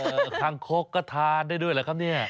เอ่อคางคกก็ทานได้ด้วยแหละครับนี่